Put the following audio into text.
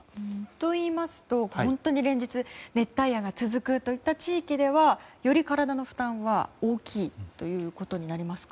といいますと本当に連日熱帯夜が続く地域ではより体の負担は大きいということになりますか？